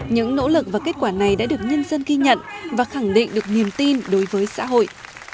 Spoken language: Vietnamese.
những nỗ lực và kết quả này đã được nhân dân ghi nhận và khẳng định được niềm tin đối với xã hội